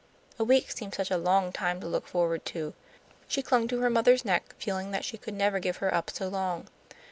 A week seemed such a long time to look forward to. She clung to her mother's neck, feeling that she could never give her up so long.